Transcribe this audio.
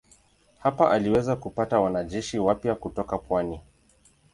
Hapa aliweza kupata wanajeshi wapya kutoka pwani.